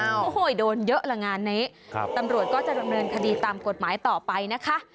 โอ้โหโดนเยอะละงานนี้ครับตำรวจก็จะดำเนินคดีตามกฎหมายต่อไปนะคะ